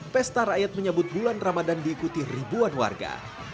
pesta rakyat menyebut bulan ramadan diikuti ribuan warga